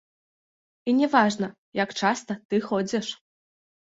І не важна, як часта ты ходзіш.